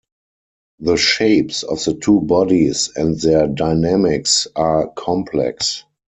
The shapes of the two bodies and their dynamics are complex.